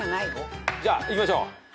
じゃあいきましょう。